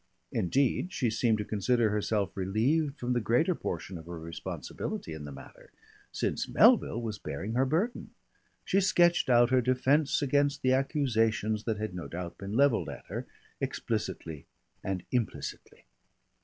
Indeed, she seemed to consider herself relieved from the greater portion of her responsibility in the matter, since Melville was bearing her burden. She sketched out her defence against the accusations that had no doubt been levelled at her, explicitly and implicitly.